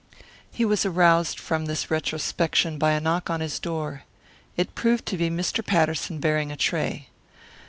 He was aroused from this retrospection by a knock on his door. It proved to be Mr. Patterson bearing a tray.